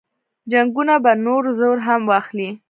جنګونه به نور زور هم واخلي.